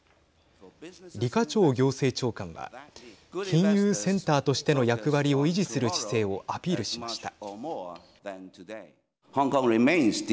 李家超行政長官は金融センターとしての役割を維持する姿勢をアピールしました。